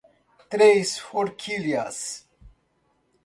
Três Forquilhas